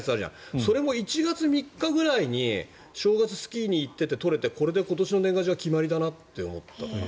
それも１月３日くらいにスキーに行って撮ってこれで今年の年賀状は決まりだなって思った。